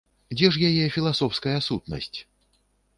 Дзе ж яе філасофская сутнасць?